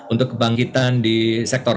untuk kebangkitan di sektor